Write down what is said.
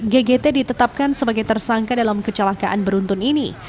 ggt ditetapkan sebagai tersangka dalam kecelakaan beruntun ini